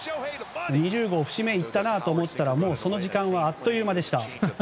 ２０号、節目いったと思ったらその時間はあっという間でした。